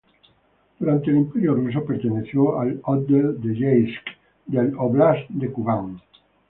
Durante el Imperio ruso perteneció al otdel de Yeisk del óblast de Kubán.